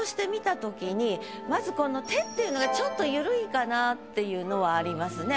まずこの「て」っていうのがちょっとゆるいかなっていうのはありますね。